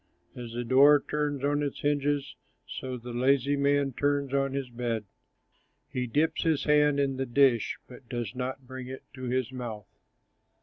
As the door turns on its hinges, So the lazy man turns on his bed. He dips his hand in the dish, But does not bring it to his mouth!